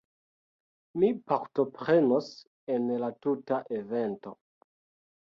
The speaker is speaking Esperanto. Mi partoprenos en la tuta evento